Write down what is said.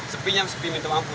sepinya sepi minta ampun